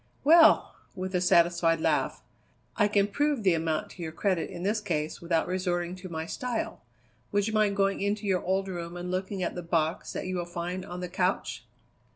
"Well!" with a satisfied laugh, "I can prove the amount to your credit in this case without resorting to my style. Would you mind going into your old room and looking at the box that you will find on the couch?"